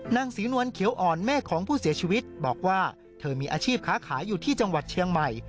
นางศรีนวลเขียวอ่อนแม่ของผู้เสียชีวิตบอกว่าเธอมีอาชีพค้าขายอยู่ที่จังหวัดเชียงใหม่